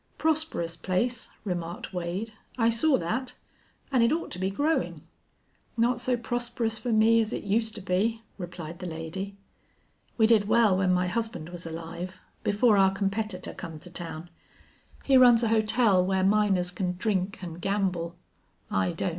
"Prosperous place," remarked Wade. "I saw that. An' it ought to be growin'." "Not so prosperous fer me as it uster be," replied the lady. "We did well when my husband was alive, before our competitor come to town. He runs a hotel where miners can drink an' gamble. I don't....